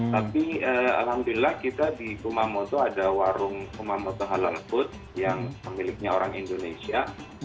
tapi alhamdulillah kita di kumamoto ada warung kumamoto halal food yang pemiliknya orang indonesia